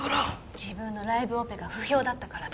自分のライブオペが不評だったからだ。